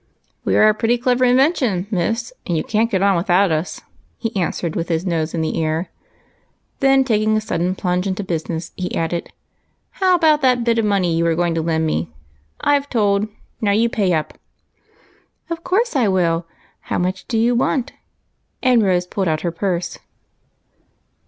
" We are a pretty clever invention, miss, and you can't get on without us," he answered, with his nose in the air. Then, taking a sudden plunge into business, he added, "How about that bit of money you were going to lend me? I've told, now you pay ujd." " Of course I will i How much do you want ?" and Rose pulled out her purse.